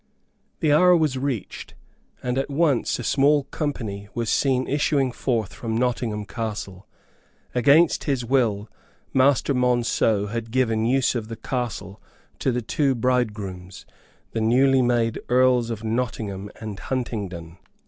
The hour was reached, and at once a small company was seen issuing forth from Nottingham Castle. Against his will Master Monceux had given use of the castle to the two bridegrooms the newly made Earls of Nottingham and Huntingdon.